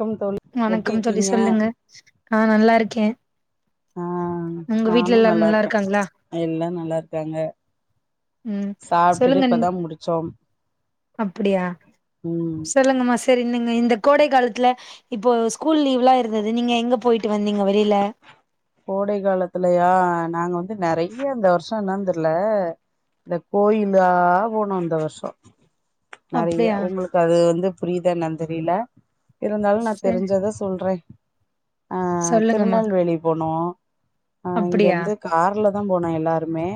செங் தோழி எப்டி வணக்கம் தோழி இருக்கீங்க சொல்லுங்க நா நல்லா இருக்கே ஆ உங்க வீட்ல நானூ எல்லாரு நல்லா இருக்கே இருக்காங்களா எல்லா நல்லா இருக்காங்க ம் சாப்ட்டுட்டு இப்பதா முடிச்சோம் அப்படியா ம் சொல்லுங்கமாஸ் செரி நீங்க இந்த கோடை காலத்தில இப்போ ஸ்கூல் லீவ்லா இருந்தது நீங்க எங்க போயிட்டு வந்தீங்க வெளில கோடை காலத்துலையா நாங்க வந்து நெறைய இந்த வருஷோ என்னன் தெரில இந்த கோயிலா போனோ இந்த வருஷோ நெறைய அப்டியா உங்களுக்கு அது வந்து புரியிதா என்னன் தெரியில இருந்தாலு நா சரி தெரிஞ்சத சொல்றே ஆ சொல்லுங்கம்மா திருநெல்வேலி போனோ ஆ அப்டியா இங்கருந்து கார்ல தா போனே எல்லாருமே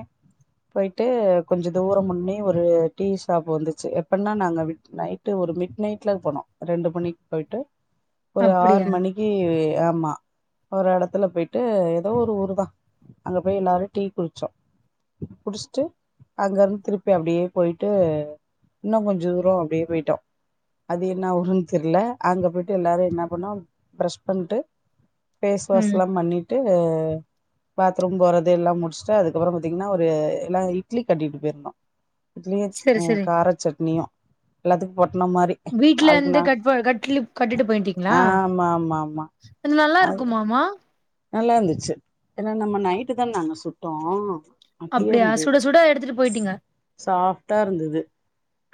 போயிட்டு கொஞ தூரோ முன்னே ஒரு டீ ஷாப் வந்துச்சு எப்பன்னா நாங்க விட் நைட் டு ஒரு மிட் நைட்ல போனோ ரெண்டு மணிக் போய்ட்டு ஒரு ஆறு அப்டியா மணிக்கு ஆமா ஒரு எடத் துல போயிட்டு எதோ ஒரு ஊர் தா அங்க போய் எல்லாரு டீ குடிச்சோ குடிச்சிட்டு அங்க இருந்து திருப்பி அப்டியே போயிட்டு இன்னு கொஞ்ச தூரோ அப்டியே போய்ட்டோ அது என்ன ஊருன் தெர்ல அங்க போயிட்டு எல்லாரு என்ன பண்ணோ பிரஷ் பண்ட்டு ஃபேஸ் வாஷ் ம் எல்லா பண்ணீட்டு பாத்ரூம் போறது எல்லாம் முடிச்சிட்டு அதுக்கப்றோ பாத்தீங்கன்னா ஒரு எல்லா இட்லி கட்டிட்டு போயிருந்தோ இட்லியு சரி அ சரி கார சட்னியு எல்லாத்துக்கு பொட்டன மாரி வீட்ல ஆளுக்கு இருந்து நா கட் கட்லி கட்டிட்டு போயிட்டீங்களா ஆ ஆமா ஆமா ஆமா அது நல்லா இருக்குமா மா நல்லா இருந்துச்சு ஏனா நம்ம நைட்டு தா நாங்க சுட்டோ அப்டியா சுட சுட எடுத்துட்டு போயிட்டீங்க சாஃப்ட்டா இருந்தது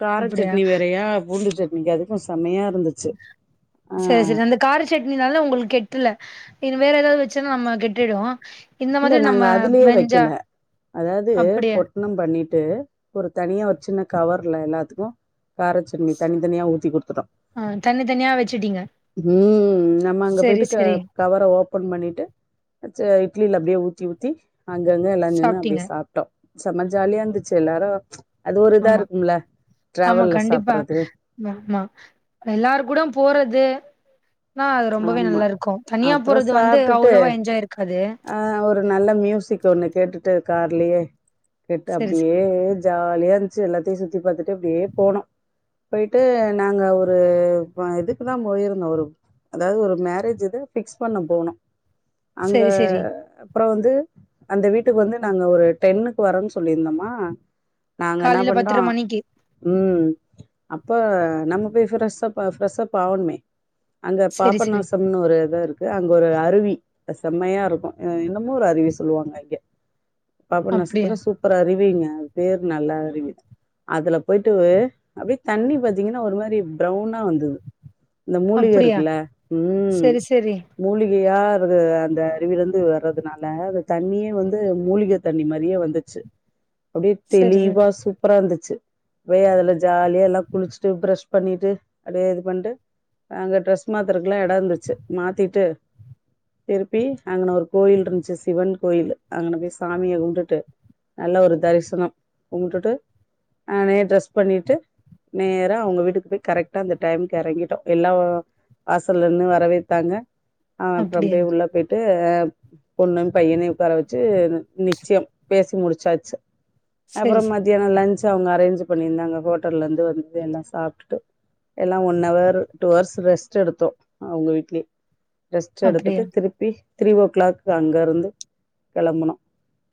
கார அப்டியா சட்னி வேறையா பூண்டு சட்னிக்கு அது க்கு செமையா இருந்துச்சு ஆ செரி செரி அந்த கார சட்னினால உங்களுக்கு கெட்டல இது வேற எதாவ்து வெச்சன்னா நம்ம கெட்டுடு இந்த இல்ல மாதிரி நாங்க நம்ம அதுலயே வெஞ்சா வெய்க்கல அதாவது அப்டியா பொ ட்னம் பண்ணிட்டு ஒரு தனியா ஒரு சின்ன கவர்ல எல்லாத்துக்கு காரச் சட்னி தனி தனியா ஊத்தி குடுத்துட்டோ ஆ தனி தனியா வச்சுட்டீங்க ம் நம்ம அங்க சரி போயிட்டு க சரி கவர ஓபன் பண்ணிட்டு வெச்ச இட்லில அப்டியே ஊத்தி ஊத்தி அங்கங்க எல்லா நின்னு அப்டியே சாப்ட்டீங்க சாப்ட்டோ செம ஜாலியா இருந்துச்சு எல்லாரு அது ஒரு இதா ஆமா இருக்கும்ல ட்ரெவல்ல சாப்பறது ம ஆமா எல்லாரு கூட போறது மா அது ரொம்பவே ஆமா நல்லாருக்கு தனியா அப்றோ போறது வந்து அவ்ளோவா என்ஜாய் இருக்காது அ ஒரு நல்ல மியூசிக் ஒண்ணு கேட்டுட்டு கார்லயே கேட்டு சரி அப்டியே சரி ஜாலியா இருந்துச்சு எல்லாத்தையு சுத்தி பாத்துட்டு அப்டியே போனோ போயிட்டு நாங்க ஒரு இதுக்கு தா போயிருந்தோ ஒரு அதாவ்து ஒரு மேரேஜ் இத ஃபிக்ஸ் பண்ண போனோ அங்க சரி சரி அப்றோ வந்து அந்த வீட்டுக்கு வந்து நாங்க ஒரு டென்னுக்கு வரோன் சொல்லியிருந்தம்மா நாங்க என்ன காலையில பண்றோ பத்தர மணிக்கு ம் அப்போ நம்ம போய் ஃப்ரெஷ்ஷப் ஃப்ரெஷ்ஷப் ஆவணுமே அங்க சரி சரி பாப்பநாசம்னு ஒரு எடோ இருக்கு அங்க ஒரு அருவி செம்மையா இருக்கு என்னமோ ஒரு அருவி சொல்லுவாங்க அங்கே பாப அப்டியா நாசத்துல சூ ப்பர் அருவிங்க அது பேரு நல்லா அருவி அதுல போயிட்டு அப்டியே தண்ணி பாத்தீங்கன்னா ஒரு மாரி ப்ரவ்னா வந்தது இந்த மூலிக அப்டியா இருக்குல்ல ம் சரி சரி மூலிகையா இரு அந்த அருவில இருந்து வர்றதுனால அ தண்ணியே வந்து மூலிக தண்ணி மாரியே வந்துச்சு அப்டியே சரி சரி தெளிவா சுப் பறா இருந்துச்சு போய் அதுல ஜாலியா எல்லா குளிச்சுட்டு ப்ரஷ் பண்ணிட்டு அப்டியே இது பண்ட்டு அங்க ட்ரெஸ் மாத்திருக்குல்லா எடோ இருந்துச்சு மாத்திட்டு திருப்பி அங்கன ஒரு கோயில் இருந்துச்சு சிவன் கோயில் அங்கன போய் சாமிய கும்பிட்டு நல்லா ஒரு தரிசனம் கும்பிட்டுட்டு நானே ட்ரெஸ் பண்ணிட்டு நேரா அவுங்க வீட்டுக்கு போய் கரெக்டா அந்த டைமுக்கு எறங்கிட்டோ எல்லா வாசல்ல நின்னு வரவேத்தாங்க அப்றோ அப்டியா பேய் உள்ள போயிட்டு அ பொண்ணு பையனையு உட்கார வச்சு நிச்சயம் பேசி முடிச்சாச்சு சரி அப்றோ சரி மதி யானோ லன்சு அவுங்க அரேஞ்ச் பண்ணியிருந்தாங்க ஹோட்டல்ல இருந்து வந்து எல்லா சாப்பிட்டுட்டு எல்லா one hour two hours rest எடுத்தோ அவுங்க வீட்லியே ரெஸ்ட் அப்டியா எடுத்துட்டு திருப்பி த்ரீ ஓ கிளாக் அங்க இருந்து கிளம்பனு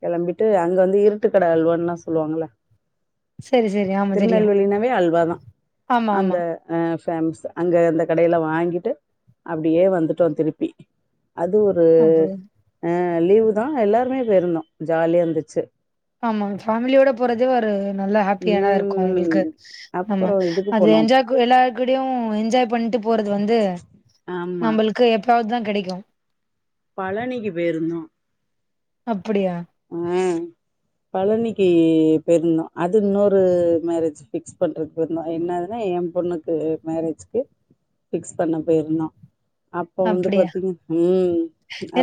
கிளம்பிட்டு அங்க வந்து இருட்டு கட அள்வன்னுல்லா சொல்வாங்கள சரி சரி ஆமா தெரியு திருநெல்வேலினாவே அல்வாதா ஆமா அந்த ஆமா அ பேம்ஸ் அங்க அந்த கடையில வாங்கிட்டு அப்டியே வந்துட்டோ திருப்பி அது ஒரு அப்டியா ஆ லீவு தா எல்லாருமே போயிருந்தோ ஜாலியா இருந்துச்சு ஆமா ஃபேமிலியோட போறதே ஒரு நல்ல ஹாப்பியாதா இருக்கு ம் உங்களுக்கு ஆமா அப்புறம் இதுக்கு அது போனோம் என்ஜாக் கு எல்லாரு கூடயு என்ஜாய் பண்ணிட்டு போறது வந்து ஆமாம் நம்மளுக்கு எப்பாவுது தா கெடக்கு பழனிக்கு போயிருந்தோ அப்டியா அ பழனிக்கு பேயிருந்தோ அது இன்னொரு மேரேஜ் ஃபிக்ஸ் பண்றது போயிருந்தோ என்னாதுன்னா ஏ பொண்ணுக்கு மேரேஜ்கு ஃபிக்ஸ் பண்ண போயிருந்தோ அப்ப வந்து அப்படியா? பாத்தீங்க ம்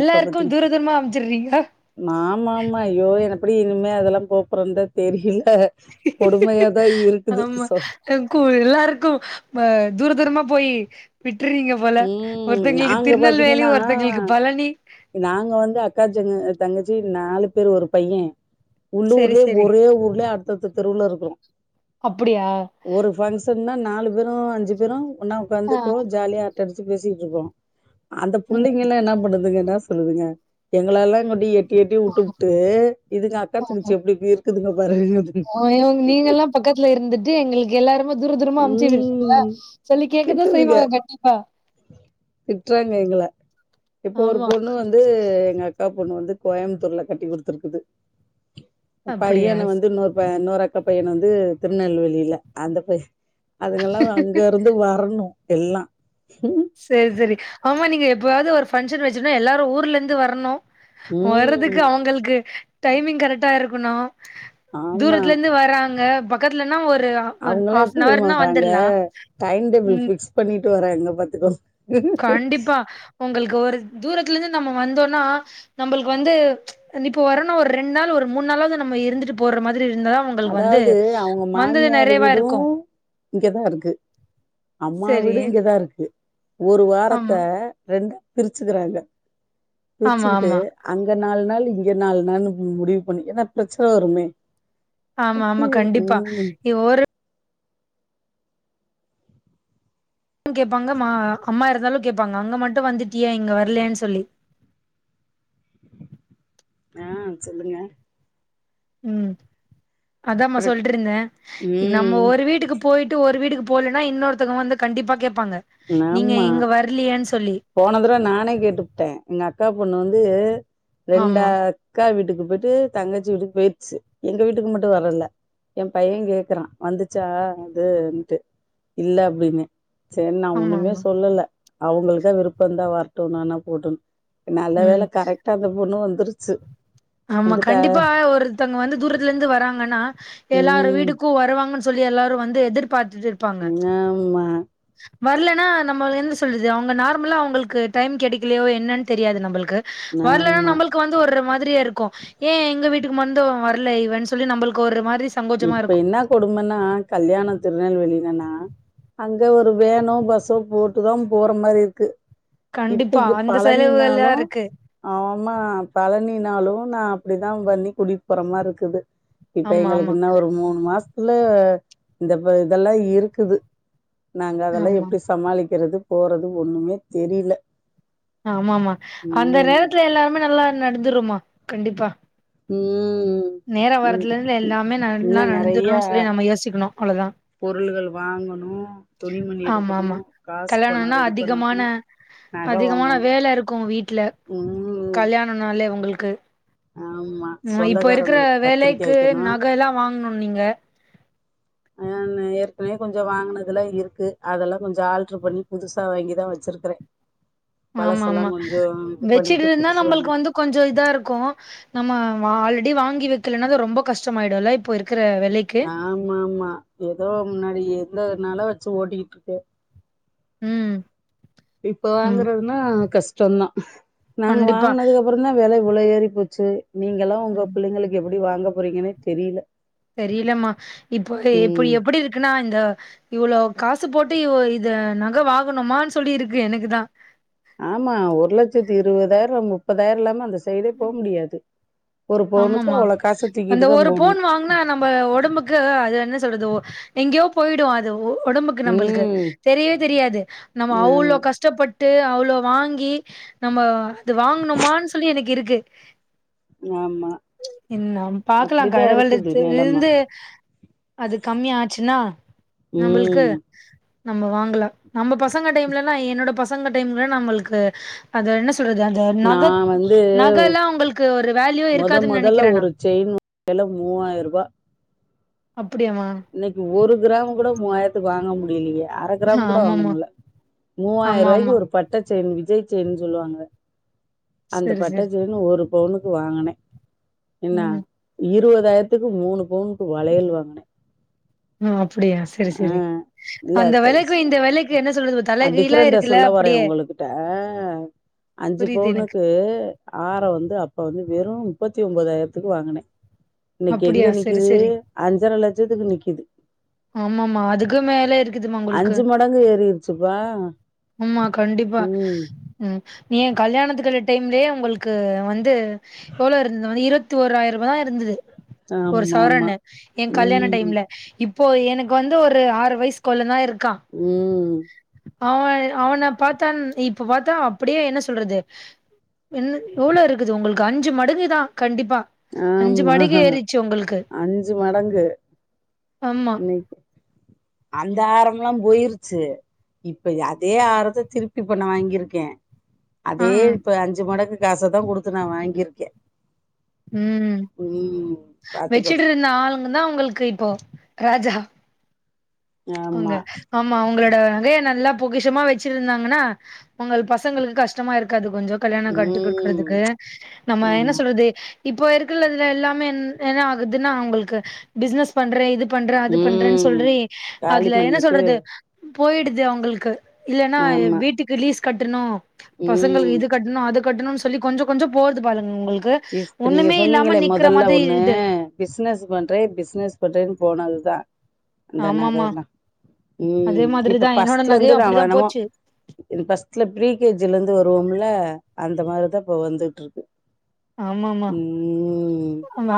அப்ப பாத்தீங்க தூர தூரமா அனுப்ச்சுடுறீங்களா? மாம்மாமா ஐயோ எனப்பிடி இனிமே அதெல்லா போப்போறந்தா தெரியில கொடுமையாதா இருக்குது சொ ருக்கு எல்லாருக்கு தூர தூரமா போய் விட்டுரீங்க போல ம் ஒருத்தங்களுக்கு நாங்க திருநெல்வேலி பாத்தீங்கன்னா, ஒருத்தங்களுக்கு பழனி நாங்க வந்து அக்காச்சங் தங்கச்சி நாலு பேர் ஒரு பைய சரி, உள்ளூர்லியே சரி. ஒரே ஊர்லேயே அடுத்தடுத்த தெருவுல இருக்குறோ அப்டியா ஒரு பங்க்ஷன்னா நாலு பேரு அஞ்சு பேரு ஒன்னா ஆ. உக்காந்துக்கோ ஜாலியா இருக் அரட்டடிச்சு பேசிட்டு இருக்கோ அந்த ம். புள்ளைங்களா என்ன பண்ணுதுங்கன்னா சொல்லுதுங்க எங்களால்லா கொண்டி எட் டி வுட்டுபுட்டு இதுங்க அக்கா தங்கிச்சு எப்டி இருக்குதுங்க பாருங்க ஆ இவங்க நீங்கல்லா பக்கத்துல இருந்துட்டு எங்களுக்கு எல்லாருமே தூர தூரமா அமுச்சு விடுறாங்களா ம். சொல்லி கேக்க தா திட்டுதுங்க. செய்வாங்க கண்டிப்பா திட்டுறாங்க எங்கள இப்ப ஒரு ஆமா பொண்ணு வந்து எங்க அக் அக்கா‌ பொண்ணு வந்து கோயம்புத்தூர்ல கட்டி குடுத்துருக்குது அப்டியா பையன வந்து இன்னொரு அக் அக்கா பையன வந்து திருநெல்வேலியில அந்த பைய அதுங்கெல்லா அங்க இருந்து வரணு எல்லா சேரி சேரி ஆமா நீங்க எப்பாவுது ஒரு பங்க்ஷன் வச்சுனா எல்லாரு ஊர்ல இருந்து வரணு வர்றதுக்கு ம். அவுங்களுக்கு டைமிங் கரெக்டா இருக்குணு ஆமா. தூரத்துல இருந்து வராங்க பக்கத்துலன்னா ஒரு அவுங்களா எப்டி தெரிமா ஹாஃப்னவர்னா வறாங்க வந்துர்லா டைம் டேபிள் ம் ஃபிக்ஸ் பண்ணிட்டு வராங்க பத்துக்கோ கண்டிப்பா உங்களுக்கு ஒரு தூரத்துல இருந்து நம்ம வந்தோனா நம்பளுக்கு வந்து நீ இப்ப வரணா ஒரு ரெண்டு நாள் ஒரு மூணு நாளாவது நம்ம இருந்துட்டு போற மாரி இருந்தா அதாவது அவுங்க மாமியார வீடு இருக்கு இங்கதா இருக்கு அம்மா சரி வீடு இங்கதா இருக்கு ஒரு வாரத்த ஆமா ரெண்டா பிரிச்சுக்கிறாங்க ஆமா பிரிச்சுக்கிட்டு ஆமா அங்க நால் நாள் இங்க நால் நாள்னு முடிவு பண்ணி ஏனா பிரச்சன வருமே ஆமா ஓகே ஆமா கண்டிப்பா ம் இவ் ஒரு கேப்பாங்க மா அம்மா இருந்தாலு கேப்பாங்க அங்க மட்டு வந்துட்டியே இங்க வர்லன் சொல்லி ஆ சொல்லுங்க ம் அதமா பிர சொல்ட்ருந்த நம்ம ம் ஒரு வீட்டுக்கு போயிட்டு ஒரு வீடுக்கு போலன்னா இன்னொருத்தவுங்க வந்து கண்டிப்பா கேப்பாங்க நீங்க நாம்மா இங்க வரலையேன்னு சொல்லி போன தடவ நானே கேட்டுப்புட்டேன் எங்க அக்கா பொண்ணு வந்து ரெண்டா ஆமா அக்கா வீட்டுக்கு போயிட்டு தங்கச்சி வீட்டுக்கு போய்ர்ச்சு எங்க வீட்டுக்கு மட்டு வரல எ பைய கேக்குறா வந்துச்சா அதுன்ட்டு இல்ல அப்டின்னே ஏன் நா ஆமா ஒண்ணுமே ஆமா சொல்லல அவுங்களுக்கா விருப்போ இருந்தா வரட்டு நானா போட்டு நல்ல ம் வேல கரெக்டா அந்த பொண்ணு வந்துருச்சு ஆமா வந்துட்டா கண்டிப்பா ஒருத்தங்க வந்து தூரத்துல இருந்து வராங்கன்னா எல்லார ம் வீடுக்கு வருவாங்கன் சொல்லி எல்லாரு வந்து எதிர்பாத்துட்டு இருப்பாங்க ஆமா, வரலன்னா நம்ம என்ன சொல்றது அவுங்க நார்மலா அவுங்களுக்கு டைம் கெடைக்கலையோ என்னன்னு தெரியாது நம்பளுக்கு வரலன்னா ஆமா. நம்பளுக்கு வந்து ஒரு மாதிரியா இருக் கு ஏ எங்க வீட்டுக்கு மட்டு வரல இவ சொல்லி நம்பளுக்கு ஒரு மாறி இப்ப என்னா கொடுமனா கல்யாணம் திருநெல்வேலிலனா அங்க ஒரு வேனோ பஸ்ஸோ போட்டு தா போற மாறி இருக்கு இப்ப கண்டிப்பா இங்க அந்த செலவுகள்லா பழனினாலு இருக்கு ஆமா பழனினாலு நா அப்படிதா பண்ணி கூடிட் போற மார் இருக்குது இப்ப ஆமா எங்களுக்கு ஆமா இன்னு ஒரு மூணு மாசத்துல இந்தப்ப இதல்லா இருக்குது நாங்க அதல்லா ஆமா எப்டி சமாளிக்கிறது போறது ஒண்ணுமே தெரியல ஆமா ஆமா அந்த ம். நேரத்துல எல்லாருமே நல்லா நடந்துரும்மா கண்டிப்பா ம் நேரோ ம். வர்றதுலருந்து ம். எல்லாமே நல்லா இன்னும் நெறையா நடந்துருணு சொல்லி நம்ம யோசிக்கணும் அவ்ளோவுதா பொருள்கள் வாங்கணு துணிமணி ஆமா எடுக்கணு ஆமா காசு பணோ கல்யாணம்னா ரெடி பண்ணணு அதிகமான நக அதிகமான வாங்கணு வேல இருக்கு வீட்ல ம் கல்யாணனாலே உங்களுக்கு ஆமா சொந்தக்கார இருக்ற வேலைக்கு நகல்லா வாங்கணு நீங்க ஆ ஏற்கனவே கொஞ்சோ வாங்கனதெல்லா இருக்கு அதெல்லா கொஞ்சோ ஆல்ட்ரு பண்ணி புதுசா வாங்கிதா வச்சிருக்குறே ஆமா ஆமா இது பண்ணிட்டு வச்சிட்டுருந்தா புதுசு நம்மளுக்கு வாங்கனே வந்து கொஞ்சோ இதா இருக்கு நம்ம வ ஆல்ரெடி வாங்கி வெக்கலன்னா ரொம்ப கஷ்டமாயிடுல்ல இப்போ இருக்குற வெலைக் ஆமா ஆமா ஏதோ முன்னாடி இருந்ததுனால வச்சு ஓட்டிகிட்டுருக்கு ம் இப்ப ம் வாங்கறதுனா கஷ்டோந்தா நாங்க கண்டிப்பா வாங்குனது ஒரு அப்புறந்தா வெல இவ்ளோ ஏறி போச்சு நீங்கல்லா உங்க ம் பிள்ளைங்களுக்கு எப்புடி வாங்க போறீங்கன்னே தெரியல தெரியலமா இப்போ எப்டி ம் எப்புடி இருக்குன்னா இந்த இவ்ளோ காசு போட்டு இ இத நக வாங்கணுமா சொல்லி இருக்கு எனக்கு தா ஆமா ஒரு லட்சத்தி இருபதாயிரோ முப்பதாயிரோ இல்லாம அந்த சைடே போ முடியாது ஒரு பவுனுக்கு ஆமாம அவ்ளோ காச அந்த தூக்கிட்டு தா ஒரு போணு பவுன் வாங்குனா நம்ம உடம்புக்கு அது என்ன சொல்றது எங்யோ போயிடு அது உடம்புக்கு நம்பளுக்கு ம் தெரியவே தெரியாது நம்ம அவளோ ஆமா கஷ் கஷ்டப்பட்டு அவ்ளோ வாங்கி நம்ம அது வாங்கணுமானு சொல்லி எனக்கு இருக்கு ஆமா இன்னா பாக்கலா அப்டிதா கடவுள இருக்குது [unintelligible] நெலம இருந்து அது கம்மியா ஆச்சுன்னா நம்மளுக்கு ம் நம்ம வாங்கலா நம்ம பசங்க டைம்லனா என்னோட பசங்க டைம்ல நம்மளுக்கு அத என்ன சொல்றது அந்த நா நகல் வந்து நகல்லா அவுங்களுக்கு ஒரு வேல்யூ இருக்காதுன்னு நெனக்கிறே நா எல்லா மூவாயிரரூபா அப்டியாமா இன்னைக்கு ஒரு கிராம் கூட மூவாயிரத்து வாங்க முடியலையே அர கிராம் கூட வாங்க ஆமாமா முல்ல மூவாயிர ஆமா ரூபாய்க்கு ஆமா ஒரு பட் பட்ட செயின் விஜய் செயின்னு சொல்லுவாங்க அந்த சரி பட்ட சரி செயன்னு ஒரு கொலுசு வாங்கினே என்ன ம் இருபதாயிரத்துக்கு மூணு பவுனுக்கு வளையல் வாங்கினே ஓ அப்டியா செரி செரி இல்ல அந்த வேலைக்கு இந்த வேலைக்கு என்ன சொல்றது தல கீழா டிஃப்ரெண்ட இருக்குல சொல்ல வரே அப்டியே உங்களுகிட்ட அஞ்சு புரியுது எனக்கு பவுனுக்கு ஆரோ வந்து அப்ப வந்து வெறு முப்பத்தி ஒன்பதாயிரத்துக்கு வாங்குனே இன்னைக்கு அப்டியா எங்க செரி நிக்குது செரி அஞ்சர லட்சத்துக்கு நிக்குது ஆமாமா அதுக்கு மேல இருக்குதுமா உங்களுக்கு அஞ்சு மடங்கு ஏறிருச்சுப்பா ஆமா கண்டிப்பா ம் ம் எ கல்யாணத்துக்கு டைம்லயே உங்களுக்கு வந்து எவ்ளோ இருந்தது வ இருபத்தி ஓராயிரோ ரூபா தா இருந்தது ஒரு ஆமா ஆமா சவரண்ணு எ கல்யாண ம் டைம்ல இப்போ எனக்கு வந்து ஒரு ஆறு வயசு கொழந்த தா இருக்கா ம் அவ அவன பாத்தா இப்ப பாத்தா அப்டியே என்ன சொல்றது என் எவ்ளோ இருக்குது உங்களுக்கு அஞ்சு மடங்குதா கண்டிப்பா அஞ்சு ஆமா மடங்கு ஏறிச்சு உங்களுக்கு அஞ்சு மடங்கு ஆமா இன்னைக்கு அந்த ஆரம்ல்லா போயிருச்சு இப்ப அதே ஆரத்த திருப்பி இப்ப நா வாங்கிருக்கே ஆ ஆ அதே இப்போ அஞ்சு மடங்கு காச தா கொடுத்து நா வாங்கிருக்கே ம் பாத்துக்கோங்க வெச்சுட்டுருந்த ஆளுங்க தா உங்களுக்கு இப்போ ராஜா ஆமா அங்க ஆமா அவுங்களோட நகைய நல்லா பொக்கிஷமா வச்சிருந்தாங்கன்னா உங்க பசங்களுக்கு கஷ்டமா இருக்காது கொஞ்சோ கல்யாணம் கட்டி ம் குடுக்கறதுக்கு நம்ம என்ன ஆமா சொல்றது இப்போ இருக்குல இதுல எல்லாமே என் என்ன ஆகுதுன்னா அவுங்களுக்கு பிசினஸ் பண்றே இது பண்றே அது பண்றேன்னு ம் சொல்லி காலி அதுல என்ன பண்ணிட்டு சொல்றது போயிடுது அவுங்களுக்கு இல்லன்னா ஆமா வீட்டுக்கு லீஸ் கட்டணு பசங்களுக்கு ம் இது கட்டணு அது கட்டணும்ன்னு சொல்லி கொஞ்ச கொஞ்ச போறது பாருங்க உங்களுக்கு எஸ் இப்ப நீங்க ஒண்ணுமே இல்லாம சொன்னீங்கள நிக்கிற முதல்ல மாதிரி ஒண்ணு இது பிஸ்னஸ் பண்றே பிஸ்னஸ் பண்றேன்னு போனதுதா அந்த ஆமாமா நகெல்லா அதே ம் இப்ப மாதிரிதா என்னோட ஃபர்ஸ்ட்ல நகையு இருந்து நா அப்டிதா எணமோ போச்சு இது ஃபர்ஸ்ட்ல ப்ரீ கே ணஜ்ல இருந்து வருவோம்ல அந்த மாரிதா இப்ப வந்துகிட்டு இருக்கு ஆமா ஆமா ம் நா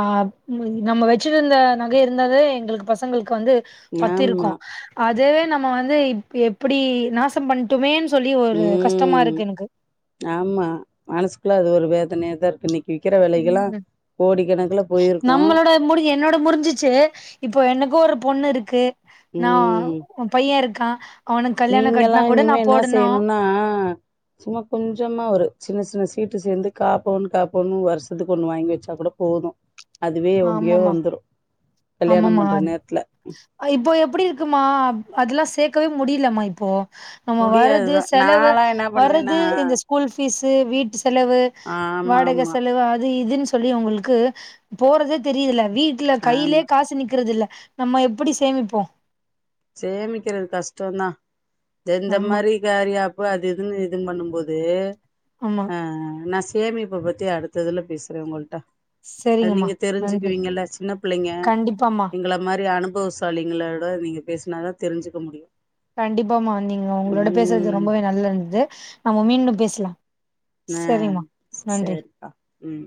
நம்ம வச் வச்சிருந்த நக இருந்தாலே எங்களுக்கு பசங்களுக்கு வந்து பத்தி ஆமா இருக்கு அதுவே நம்ம வந்து இப் எப்பிடி நாசம் பண்ட்டோமேன்னு சொல்லி ஒரு கஷ்டமா ம் இருக்கு எனக்கு ஆமா மனசுக்குள்ள அது ஒரு வேதனையா தா இருக்கு நிக் விக்கிற வெலைக்குல்லா ம் கோடி கணக்குல போயிருக்கு [unintelligible] என்னோட முறிஞ்சிச்சு இப்போ எனக்கு ஒரு பொண்ணு இருக்கு நா ம் பைய இருக்கா அவனுக்கு கல்யாண நீங்கல்லா கட்னா கூட நா இனிமே என்னா போடணு செய்ணுனா சும்மா கொஞ்சமா ஒரு சின்ன சின்ன சீட்டு சேந்து காப்பவுன்னு காப்பவுன்னு வருஷத்துக்கு ஒண்ணு வாங்கி வச்சா கூட போது அதுவே எங்கயோ ஆமாமா வந்துரு கல்யாணம் ஆமாமா அது பண்ற நேரத்துல இப்போ எப்டி இருக்குமா அதெல்லா சேக்கவே முடியலமா இப்போ நம்ம வர்றது முடியாதுதா செலவு நாலா என்ன பண்ணுவேன்னா வர்றது இந்த ஸ்கூல் ஃபீஸு வீட்டு செலவு ஆமா வாடக ஆமா செலவு அது இதுனு சொ ல்லி உங்களுக்கு போறதே தெரியதில்ல வீட்டுல கையிலே ஆமா காசு நிக்கிறது இல்ல நம்ம எப்டி சேமிப்போ சேமிக்கிறது கஷ்டதா ஜெந்த ஆமா மாரி கரியாப்பு அது இதுனு இதுன் பண்ணும்போது ஆமா ஆ நா சேமிப்ப பத்தி அடுத்த இதுல பேசுறே உங்கள்ட அது சரிங்கம்மா நீங்க நன்றி தெரிஞ்சுக்குவீங்கல்ல சின்ன புள்ளைங்க கண்டிப்பாமா எங்கள மாரி அனுபவ ச லிங்களோட நீங்க பேசுனா தா தெரிஞ்சுக்க முடியு கண்டிப்பாமா வந்தீங்க ஒங்களோட பேசுறது ம் ரொம்பவே நல்லா இந்தது நம்ம மீண்டும் பேசலா ஆ சரிங்கம்மா நன்றி சரிக்கா ம்